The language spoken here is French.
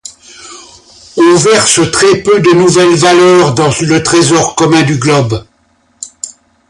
On verse très peu de nouvelles valeurs dans le trésor commun du globe.